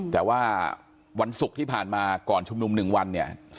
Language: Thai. แต่ว่าวันศุกร์ที่ผ่านมาก่อนชุมนุม๑วันเนี่ย